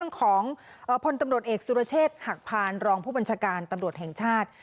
ของพลตำรวจเอกสุรเชษฐ์หักพานรองผู้บัญชาการตำรวจแห่งชาติ